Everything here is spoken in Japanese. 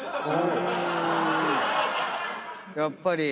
やっぱり。